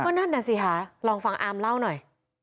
ว่านั้นนะสิฮะลองฟังอำเล่าหน่อย